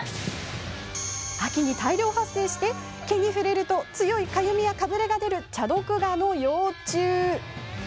秋に大量発生し、毛に触れると強いかゆみや、かぶれが出るチャドクガの幼虫。